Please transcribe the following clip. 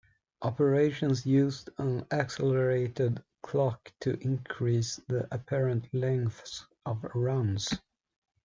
Operations used an accelerated clock to increase the apparent lengths of runs.